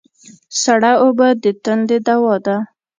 سړه اوبه د تندې دوا ده